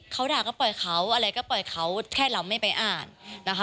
เขาด่าก็ปล่อยเขาอะไรก็ปล่อยเขาแค่เราไม่ไปอ่านนะคะ